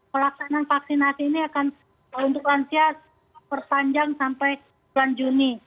pelaksanaan vaksinasi ini akan untuk lansia perpanjang sampai bulan juni